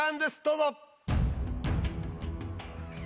どうぞ。